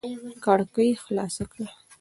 کړکۍ خلاصه کړه.